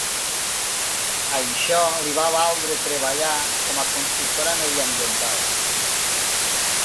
Això li va valdre treballar com a consultora mediambiental.